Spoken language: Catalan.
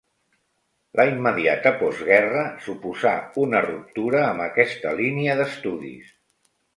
La immediata postguerra suposà una ruptura amb aquesta línia d’estudis.